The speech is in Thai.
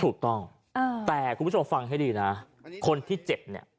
ถูกต้องแต่คุณผู้ชมฟังให้ดีนะคนที่เจ็บเนี่ย